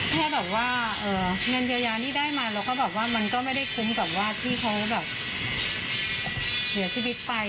แค่แบบว่าเงินเยียวยาที่ได้มาเราก็แบบว่ามันก็ไม่ได้คุ้มกับว่าที่เขาแบบเสียชีวิตไป